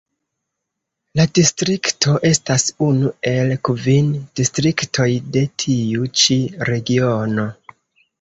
La distrikto estas unu el kvin distriktoj de tiu ĉi Regiono.